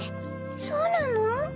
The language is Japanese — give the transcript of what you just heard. そうなの？